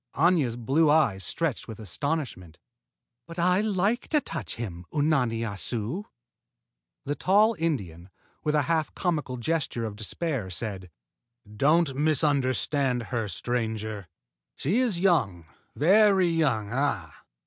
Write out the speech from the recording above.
Aña's blue eyes stretched with astonishment. "But I like to touch him, Unani Assu!" The tall Indian, with a half comical gesture of despair, said: "Don't misunderstand her, stranger. She is young, very young, ah!